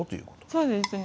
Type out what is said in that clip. そうですね。